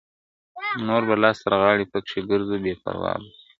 نور به لاس تر غاړي پکښی ګرځو بې پروا به سو !.